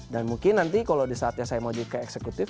dan mungkin nanti kalau disaatnya saya mau jadi ke eksekutif